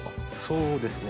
そうですね。